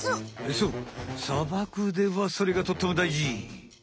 そう砂漠ではそれがとってもだいじ。